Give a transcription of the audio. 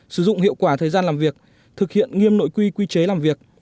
sử dụng hiệu quả thời gian làm việc thực hiện nghiêm nội quy quy chế làm việc